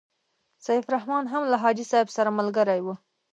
سیف الرحمن هم له حاجي صاحب سره ملګری وو.